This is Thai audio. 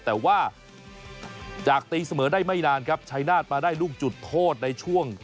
แต่ว่าจากตีเสมอได้ไม่นานครับชายนาฏมาได้ลูกจุดโทษในช่วง